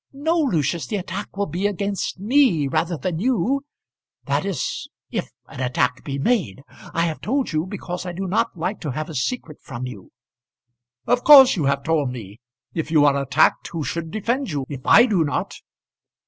"No, Lucius. The attack will be against me rather than you; that is, if an attack be made. I have told you because I do not like to have a secret from you." "Of course you have told me. If you are attacked who should defend you, if I do not?"